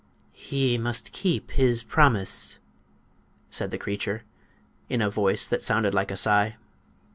"He must keep his promise," said the creature, in a voice that sounded like a sigh.